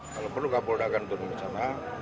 kalau perlu kapol dakan turun ke sana